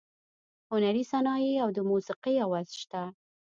هنري صنایع او د موسیقۍ اواز شته.